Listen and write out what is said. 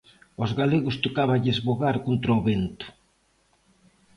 Aos galegos tocáballes vogar contra o vento.